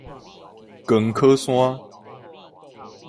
光洘山